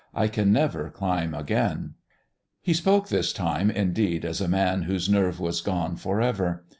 I can never climb again." He spoke this time, indeed, as a man whose nerve was gone for ever.